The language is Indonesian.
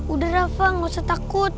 udah rafa gak usah takut